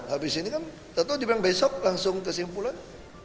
habis ini kan tak tahu diberang besok langsung kesimpulan